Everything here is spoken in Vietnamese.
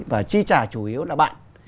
và chi trả chủ yếu là bạn